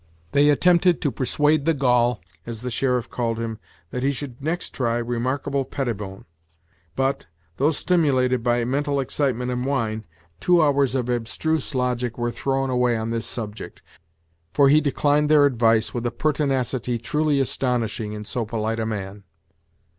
They at tempted to persuade the Gaul, as the sheriff called him, that he should next try Remarkable Pettibone. But, though stimulated by mental excitement and wine, two hours of abstruse logic were thrown away on this subject; for he declined their advice, with a pertinacity truly astonishing in so polite a man.